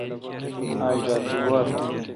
آج رات تو گوا تھون۔